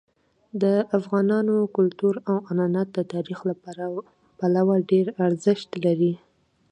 د افغانانو کلتور او عنعنات د تاریخ له پلوه ډېر ارزښت لري.